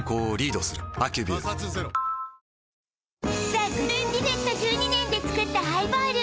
ザ・グレンリベット１２年で作ったハイボール